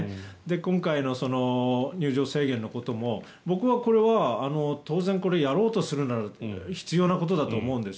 今回の入場制限のことも僕はこれ、当然やろうとするなら必要なことだと思うんです。